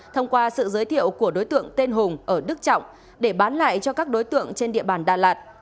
thông qua sự giới thiệu của đối tượng tên hùng ở đức trọng để bán lại cho các đối tượng trên địa bàn đà lạt